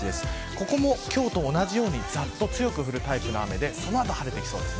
ここも今日と同じようにざっと強く降るタイプの雨でその後、晴れてきそうです。